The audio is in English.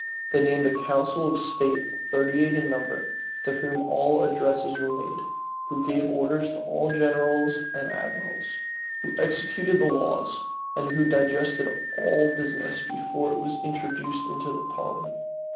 They named a council of state, thirty eight in number, to whom all addresses were made, who gave orders to all generals and admirals, who executed the laws, and who digested all business before it was introduced into parliament.